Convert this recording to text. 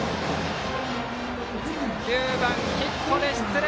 ９番、ヒットで出塁！